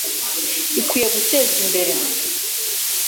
ikwiye gutezwa imbere